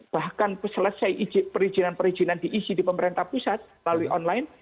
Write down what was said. bahkan selesai perizinan perizinan diisi di pemerintah pusat melalui online